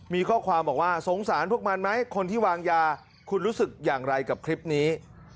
มีข้อความบอกว่าสงสารพวกมันไหมคนที่วางยาคุณรู้สึกอย่างไรกับคลิปนี้